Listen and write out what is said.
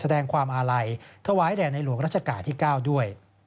แสดงความอาลัยถวายแด่ในหลวงรัชกาลที่๙ด้วย